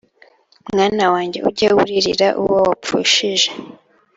Mwana wanjye, ujye uririra uwo wapfushije,